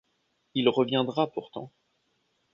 Il reviendra pourtant.